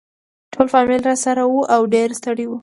ټول فامیل راسره وو او ډېر ستړي وو.